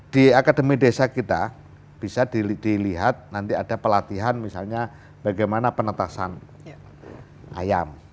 di akademi desa kita bisa dilihat nanti ada pelatihan misalnya bagaimana penetasan ayam